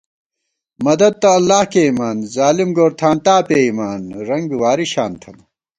مددتہ اللہ کېئیمان ظالم گورتھانتا پېئیمان، رنگ بی واری شان تھنہ